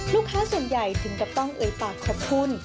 ลูกค้าส่วนใหญ่ถึงกับต้องเอ่ยปากขอบคุณ